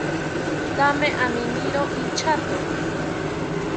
Thame aminiro inchato